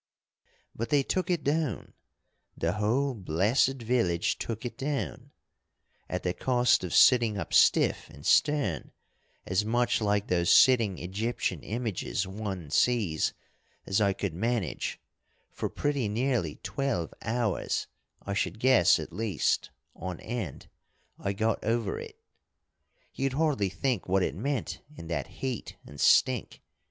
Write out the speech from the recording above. "But they took it down the whole blessed village took it down. At the cost of sitting up stiff and stern, as much like those sitting Egyptian images one sees as I could manage, for pretty nearly twelve hours, I should guess at least, on end, I got over it. You'd hardly think what it meant in that heat and stink.